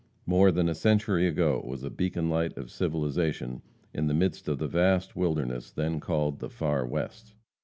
More than a century ago it was a beacon light of civilization, in the midst of the vast wilderness then called the "far West."